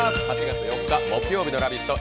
８月４日木曜日の「ラヴィット！」